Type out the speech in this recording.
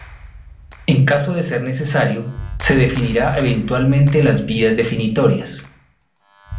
En caso de ser necesario, se definirá eventualmente las vías definitorias.